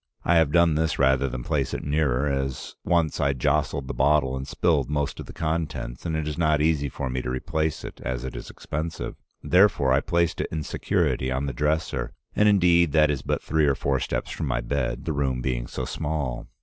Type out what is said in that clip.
I have done this rather than place it nearer, as once I jostled the bottle and spilled most of the contents, and it is not easy for me to replace it, as it is expensive. Therefore I placed it in security on the dresser, and, indeed, that is but three or four steps from my bed, the room being so small.